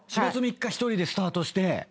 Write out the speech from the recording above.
４月３日１人でスタートして。